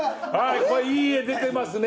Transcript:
これいい画出てますね。